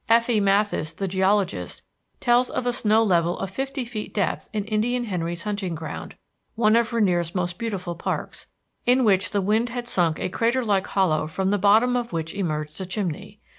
F.E. Matthes, the geologist, tells of a snow level of fifty feet depth in Indian Henry's Hunting Ground, one of Rainier's most beautiful parks, in which the wind had sunk a crater like hollow from the bottom of which emerged a chimney.